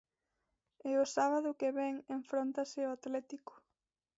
E o sábado que ven enfróntase ao Atlético.